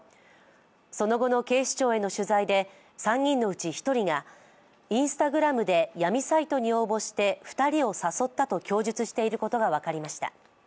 その後の警視庁への取材で３人のうち１人がＩｎｓｔａｇｒａｍで闇サイトに応募して２人を誘ったと供述していることが分かりました。